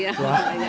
iya senang ya pak ya